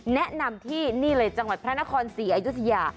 แนะนำที่นี่เลยจังหวัดพระนครศรีอยุธยา